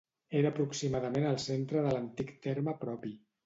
Era aproximadament al centre de l'antic terme propi.